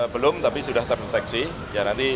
belum tapi sudah terdeteksi